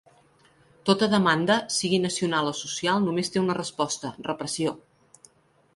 Tota demanda, sigui nacional o social, només té una resposta: repressió.